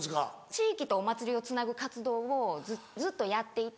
地域とお祭りをつなぐ活動をずっとやっていて。